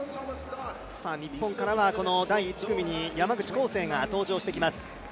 日本からは第１組に山口浩勢が登場してきます。